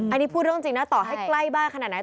อันนี้พูดเรื่องจริงนะต่อให้ใกล้บ้านขนาดไหน